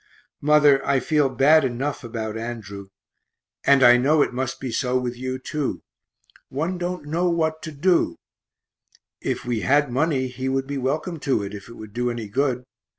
Mother, I feel bad enough about Andrew, and I know it must be so with you too one don't know what to do; if we had money he would be welcome to it, if it would do any good.